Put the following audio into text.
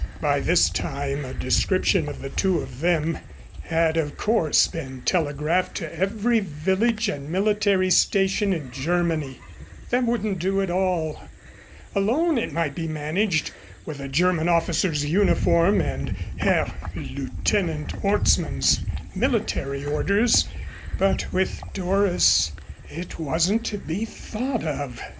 By this time a description of the two of them had, of course, been telegraphed to every village and military station in Germany. That wouldn't do at all. Alone it might be managed, with a German officer's uniform and Herr Lieutenant Orstmann's military orders, but with Doris it wasn't to be thought of.